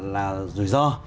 là rủi ro